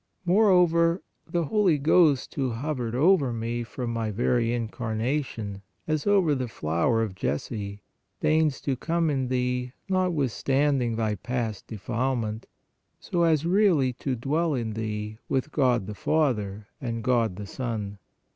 Moreover, the Holy Ghost who hovered over Me from My very Incarnation, as over the flower of Jesse, deigns to come in thee, notwithstanding thy past defilement, so as really to dwell in thee with God the Father and God the Son."